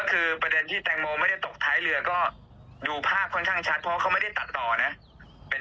คุณจงติดอยู่ของนางเนื้อ